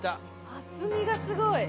厚みがすごい。